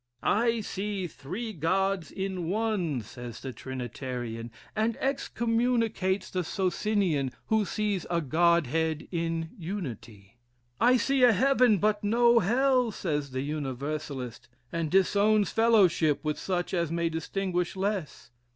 "I see three Gods in one, says the Trinitarian, and excommunicates the Socinian, who sees a God head in unity. I see a heaven but no hell, says the Universalist, and disowns fellowship with such as may distinguish less.